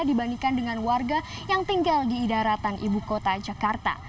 dibandingkan dengan warga yang tinggal di idaratan ibu kota jakarta